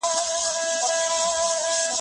کندارۍ ملالې اوښکې دې ارزانه